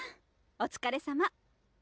お疲れさま。